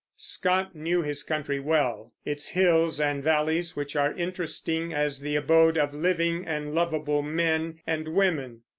Scott knew his country well, its hills and valleys which are interesting as the abode of living and lovable men and women.